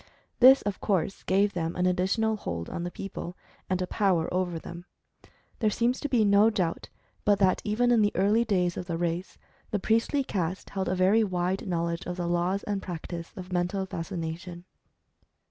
This of course gave them an additional hold on the people, and a power over them. There seems to be no doubt but that even in the early days of the race, the priestly caste held a very wide knowledge of the laws and practice of Mental Fascination.